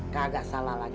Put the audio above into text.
kagak salah lagi